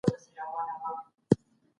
د ستري نړیوالي جګړي پايلي ډېري ویجاړونکي وي.